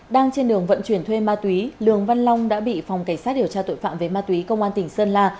đang trên đường vận chuyển thuê ma túy lường văn long đã bị phòng cảnh sát điều tra tội phạm về ma túy công an tỉnh sơn la